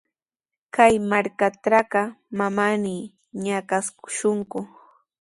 Kay markaatrawqa manami ñakashunku.